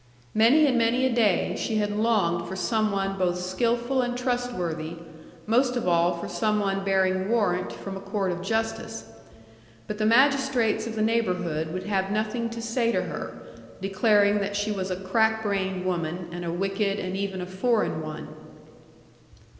Many and many a day, she had longed for some one both skilful and trustworthy, most of all for some one bearing warrant from a court of justice. But the magistrates of the neighbourhood would have nothing to say to her, declaring that she was a crack brained woman, and a wicked, and even a foreign one.